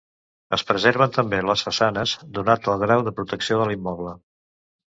Es preserven també les façanes donat el grau de protecció de l’immoble.